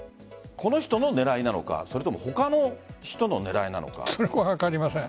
この人の狙いなのかそれは分かりません。